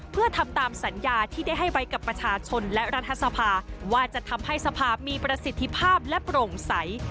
เพื่อทำตามสัญญาที่ได้ให้ไว้กับประชาชนและรัฐสภาว่าจะทำให้สภาพมีประสิทธิภาพและโปร่งใส